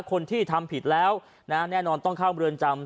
คนที่ทำผิดแล้วนะแน่นอนต้องเข้าเมืองจำ